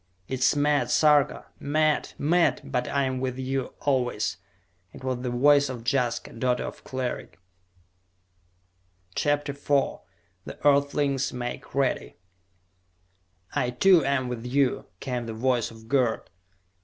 "It is mad, Sarka! Mad! Mad! But I am with you, always!" It was the voice of Jaska, daughter of Cleric! CHAPTER IV The Earthlings Make Ready "I too, am with you!" came the voice of Gerd.